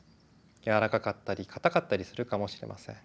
やわらかかったり硬かったりするかもしれません。